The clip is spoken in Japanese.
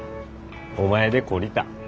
お前で懲りた。